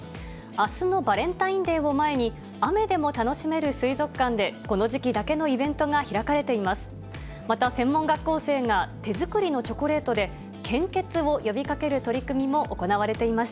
あすのバレンタインデーを前に、雨でも楽しめる水族館でこの時期だけのイベントが開かれています。